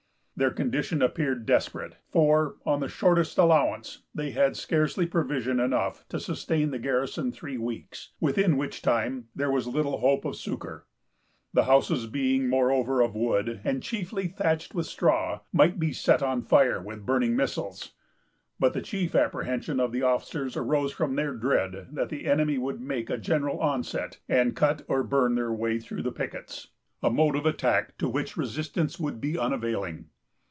Their condition appeared desperate; for, on the shortest allowance, they had scarcely provision enough to sustain the garrison three weeks, within which time there was little hope of succor. The houses being, moreover, of wood, and chiefly thatched with straw, might be set on fire with burning missiles. But the chief apprehensions of the officers arose from their dread that the enemy would make a general onset, and cut or burn their way through the pickets,——a mode of attack to which resistance would be unavailing.